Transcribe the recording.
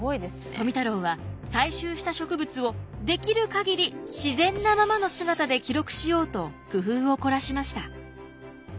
富太郎は採集した植物をできる限り自然なままの姿で記録しようと工夫を凝らしました。